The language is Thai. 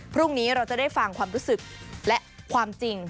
พรุ่งนี้เราจะได้ฟังความรู้สึกและความจริง